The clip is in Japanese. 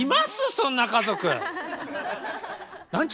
そんな家族。